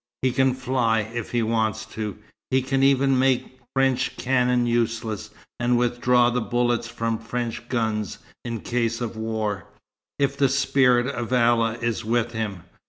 He can fly, if he wants to. He can even make French cannon useless, and withdraw the bullets from French guns, in case of war, if the spirit of Allah is with him.